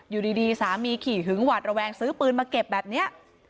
อยู่ดีสามีขี่หึงหวาดระแวงซื้อปืนมาเก็บแบบนี้